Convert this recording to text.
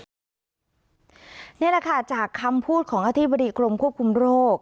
นี่แหละค่ะจากคำพูดของอธิบดีกรมควบคุมโรค